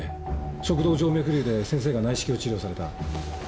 食道静脈瘤で先生が内視鏡治療された。